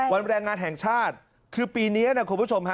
แรงงานแห่งชาติคือปีนี้นะคุณผู้ชมฮะ